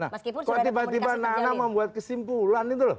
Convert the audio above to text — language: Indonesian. kok tiba tiba nana membuat kesimpulan itu loh